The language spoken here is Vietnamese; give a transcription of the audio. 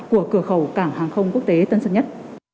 của cửa khẩu cảng hàng không quốc tế tân sơn nhất